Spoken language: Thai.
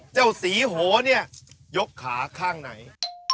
เจ้าสีโหเนี่ยยกขาข้างไหน